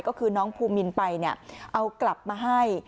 ก็คือน้องภูมินไปเนี่ยเอากลับมาให้